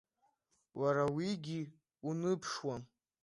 Уара уигьы уныԥшуам.